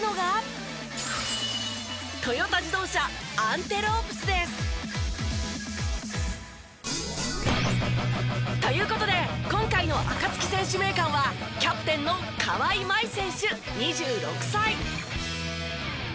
トヨタ自動車アンテロープスです。という事で今回のアカツキ選手名鑑はキャプテンの川井麻衣選手２６歳。